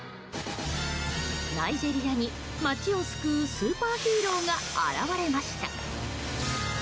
ナイジェリアに街を救うスーパーヒーローが現れました。